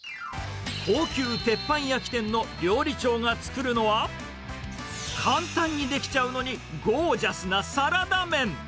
高級鉄板焼き店の料理長が作るのは、簡単に出来ちゃうのに、ゴージャスなサラダ麺。